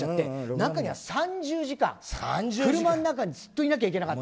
中には３０時間、車に中にずっといなきゃいけなかった。